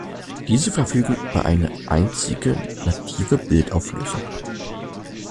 Diese verfügen über eine einzige native Bildauflösung.